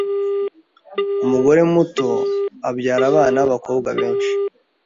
Umugore muto abyara abana babakobwa benshi